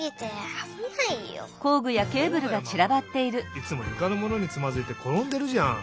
いつもゆかのものにつまずいてころんでるじゃん！